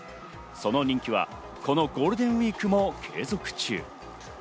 その人気はこのゴールデンウイークも継続中。